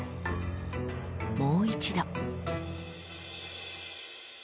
もう一度。